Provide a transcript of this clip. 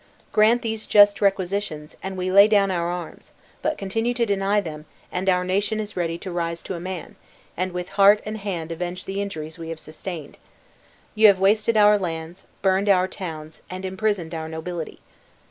Grant these just requisitions, and we lay down our arms; but continue to deny them, and our nations is ready to rise to a man, and with heart and hand avenge the injuries we have sustained. You have wasted our lands, burned our towns, and imprisoned our nobility.